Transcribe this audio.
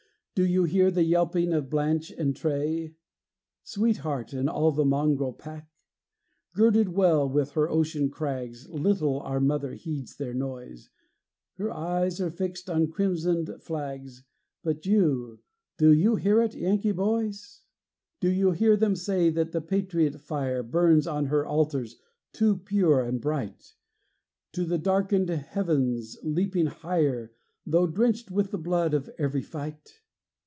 Do you hear the yelping of Blanche and Tray? Sweetheart, and all the mongrel pack? Girded well with her ocean crags, Little our mother heeds their noise; Her eyes are fixed on crimsoned flags: But you do you hear it, Yankee boys? Do you hear them say that the patriot fire Burns on her altars too pure and bright, To the darkened heavens leaping higher, Though drenched with the blood of every fight?